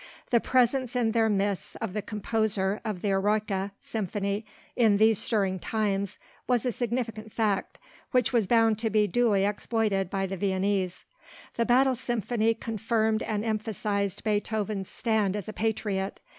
The presence in their midst of the composer of the Eroica Symphony in these stirring times, was a significant fact, which was bound to be duly exploited by the Viennese. The Battle Symphony confirmed and emphasized Beethoven's stand as a patriot.